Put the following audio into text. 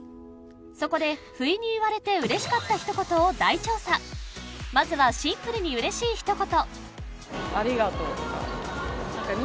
そこで不意に言われて嬉しかった一言を大調査まずはシンプルに嬉しい一言